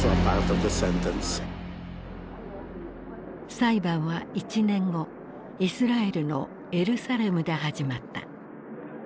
裁判は１年後イスラエルのエルサレムで始まった。